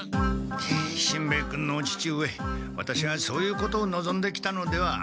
しんべヱ君のお父上ワタシはそういうことをのぞんで来たのではありません。